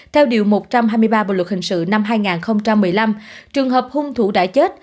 theo điều một trăm hai mươi ba bộ luật hình sự năm hai nghìn một mươi năm trường hợp hung thủ đã chết